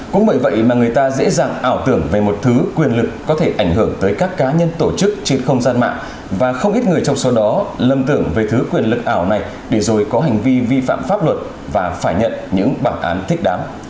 cũng bởi vậy mà người ta dễ dàng ảo tưởng về một thứ quyền lực có thể ảnh hưởng tới các cá nhân tổ chức trên không gian mạng và không ít người trong số đó lâm tưởng về thứ quyền lực ảo này để rồi có hành vi vi phạm pháp luật và phải nhận những bản án thích đáng